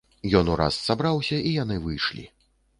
Ён ураз сабраўся, і яны выйшлі.